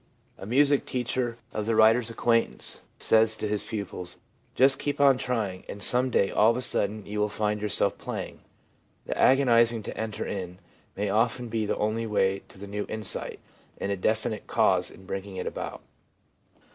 A music teacher of the writer's acquaintance says to his pupils, 'Just keep on trying, and some day all of a sudden you will find yourself playing.' The 1 agonising to enter in ' may often be the only way to the new insight, and a definite cause in bringing it about.